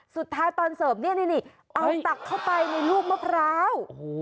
สุดท้ายตอนเสิร์ฟนี่เอาตักเข้าไปชาวรูปของมะพร้าว